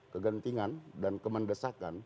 kegentingan dan kemendesakan